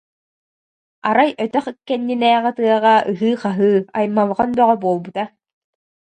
Арай өтөх кэннинээҕи тыаҕа ыһыы-хаһыы, аймалҕан бөҕө буолбута